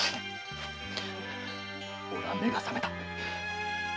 俺は目が覚めた。